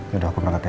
yaudah aku nangkat ya